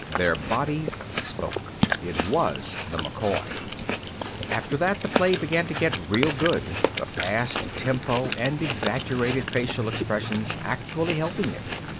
Their bodies spoke. It was the McCoy. After that, the play began to get real good, the fast tempo and exaggerated facial expressions actually helping it.